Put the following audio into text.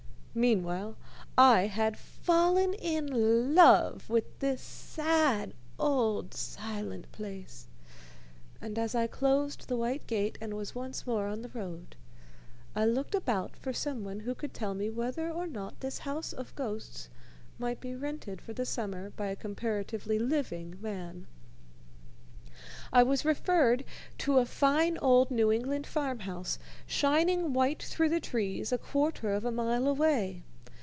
Meanwhile I had fallen in love with the sad, old, silent place, and as I closed the white gate and was once more on the road, I looked about for someone who could tell me whether or not this house of ghosts might be rented for the summer by a comparatively living man. I was referred to a fine old New England farm house shining white through the trees a quarter of a mile away.